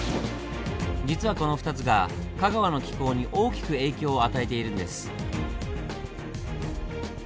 実はこの２つが香川の気候に大きく影響を与えているんです。